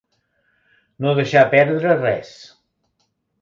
No deixar perdre res.